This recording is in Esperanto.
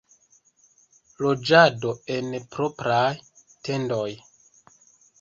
Loĝado en propraj tendoj.